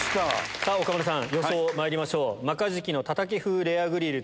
さぁ岡村さん予想まいりましょう。